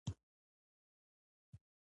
بعضې سپوږمۍ تیز او بعضې ورو دي.